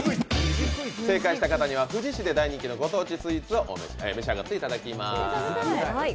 正解した方には富士市で大人気のご当地スイーツを召し上がっていただきます。